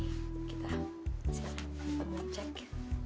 silahkan kita mau cek